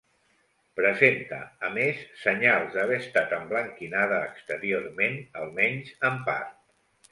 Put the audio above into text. Presenta, a més, senyals d'haver estat emblanquinada exteriorment, almenys en part.